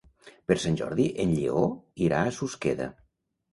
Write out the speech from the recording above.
Per Sant Jordi en Lleó irà a Susqueda.